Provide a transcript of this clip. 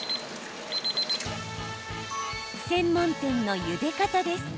専門店のゆで方です。